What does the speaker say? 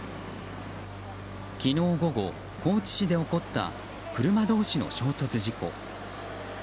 昨日午後、高知市で起こった車同士の衝突事故。